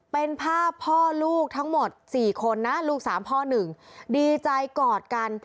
เป็นภาพพ่อลูกทั้งหมด๔คนนะลูกสามพ่อหนึ่งดีใจกอดกัน